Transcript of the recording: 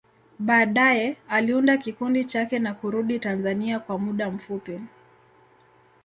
Baadaye, aliunda kikundi chake na kurudi Tanzania kwa muda mfupi.